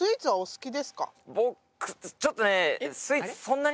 僕ちょっとね。